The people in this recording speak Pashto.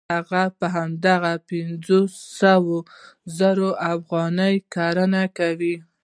هغه په هماغه پنځه سوه زره افغانۍ کرنه کوي